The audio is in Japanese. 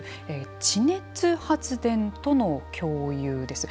地熱発電との共有です。